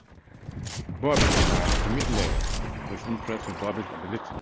Bobby decides to meet Lewis, who is impressed with Bobby's abilities.